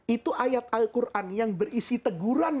itu ayat al quran yang berisi teguran